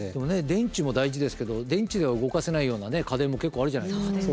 電池も大事ですけど電池では動かせないような家電も結構あるじゃないですか。